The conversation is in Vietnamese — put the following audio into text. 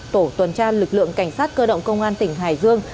tổ tuần tra lực lượng cảnh sát cơ động công an tỉnh hải dương